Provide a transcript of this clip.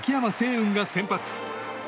雲が先発。